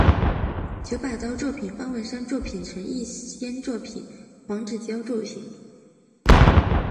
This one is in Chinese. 九把刀作品方文山作品陈奕先作品黄子佼作品